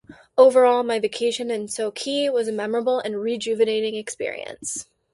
Overall, my vacation in Sochi was a memorable and rejuvenating experience.